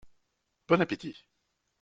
Bon appétit !